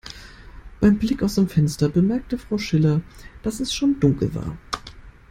Beim Blick aus dem Fenster bemerkte Frau Schiller, dass es schon dunkel war.